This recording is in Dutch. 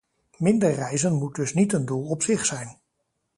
Minder reizen moet dus niet een doel op zich zijn.